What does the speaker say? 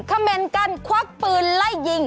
เมนกันควักปืนไล่ยิง